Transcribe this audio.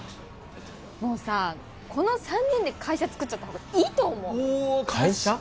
もうさこの３人で会社つくっちゃった方がいいと思うお確かにまあ会社？